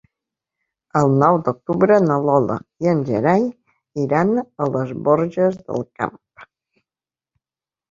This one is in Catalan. El nou d'octubre na Lola i en Gerai iran a les Borges del Camp.